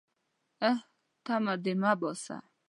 _اه! تمه دې مه باسه.